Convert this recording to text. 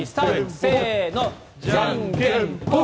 せーの、じゃんけんポン。